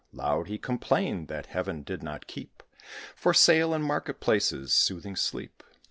Loud he complain'd that Heaven did not keep For sale, in market places, soothing sleep.